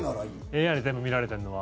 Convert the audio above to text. ＡＩで全部見られているのは。